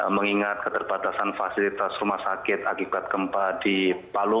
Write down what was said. mengingat keterbatasan fasilitas rumah sakit akibat gempa di palu